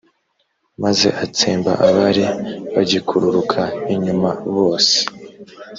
maze atsemba abari bagikururuka inyuma bose;